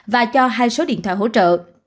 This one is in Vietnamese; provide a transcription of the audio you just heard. và cho hai số điện thoại hỗ trợ